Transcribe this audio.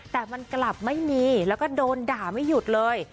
แต่มันกลับไม่มีแล้วก็โดนด่าไม่หยุดเลย